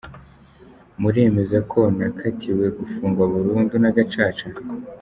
Muremeza ko nakatiwe gufungwa burundu na gacaca.